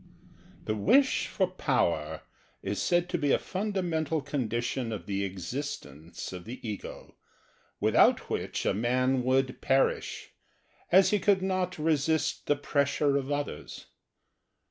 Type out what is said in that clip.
= The wish for power is said to be a fundamental condition of the existence of the ego, without which a man would perish, as he could not resist the pressure of others.